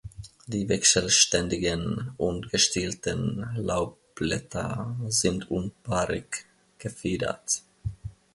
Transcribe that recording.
Die wechselständigen und gestielten Laubblätter sind unpaarig gefiedert.